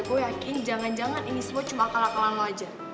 gue yakin jangan jangan ini semua cuma akal akalan lo aja